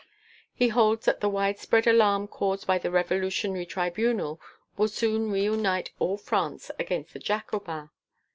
He holds that the widespread alarm caused by the Revolutionary Tribunal will soon reunite all France against the Jacobins.